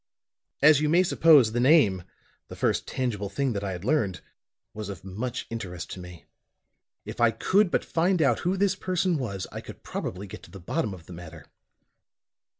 "As you may suppose, the name the first tangible thing that I had learned was of much interest to me. If I could but find out who this person was, I could probably get to the bottom of the matter."